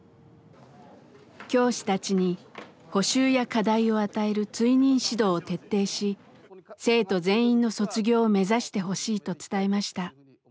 教師たちに補習や課題を与える「追認指導」を徹底し生徒全員の卒業を目指してほしいと伝えました。